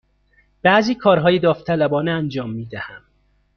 بعضی کارهای داوطلبانه انجام می دهم.